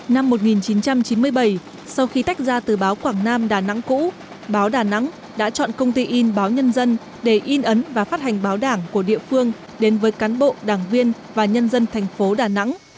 năm một nghìn chín trăm chín mươi bảy sau khi tách ra từ báo quảng nam đà nẵng cũ báo đà nẵng đã chọn công ty in báo nhân dân để in ấn và phát hành báo đảng của địa phương đến với cán bộ đảng viên và nhân dân thành phố đà nẵng